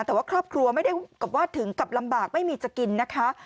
แต่ว่าครอบครัวไม่ได้กับว่าถึงกับลำบากไม่มีจะกินนะคะ